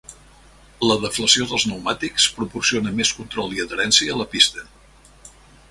La deflació dels pneumàtics proporciona més control i adherència a la pista.